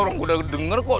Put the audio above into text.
orang gudang denger kok